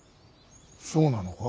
そうなのか？